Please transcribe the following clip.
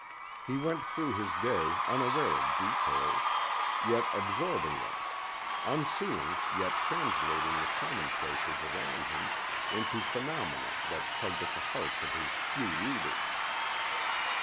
He went through his day unaware of details, yet absorbing them; unseeing, yet translating the commonplaces around him into phenomena that tugged at the hearts of his few readers.